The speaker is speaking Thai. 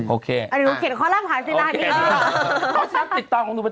โอเคอันนี้หนูเขียนข้อเล่มทางศิลานี้